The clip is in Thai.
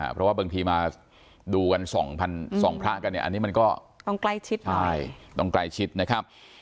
เพราะว่าบางทีมาดูกัน๒พระกันอันนี้มันก็ต้องใกล้ชิดนะครับ